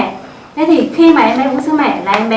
thế thì khi mà em bé bú sữa mẹ là em bé